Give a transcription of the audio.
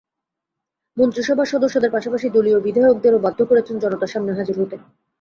মন্ত্রিসভার সদস্যদের পাশাপাশি দলীয় বিধায়কদেরও বাধ্য করছেন জনতার সামনে হাজির হতে।